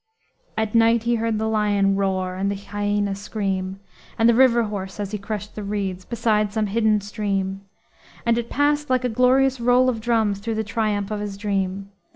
At night he heard the lion roar, And the hyena scream, And the river horse, as he crushed the reeds, Beside some hidden stream; And it passed, like a glorious roll of drums, Through the triumph of his dream.